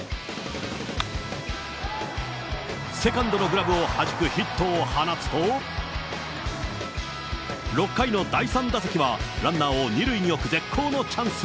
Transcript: セカンドのグラブをはじくヒットを放つと、６回の第３打席は、ランナーを２塁に置く絶好のチャンス。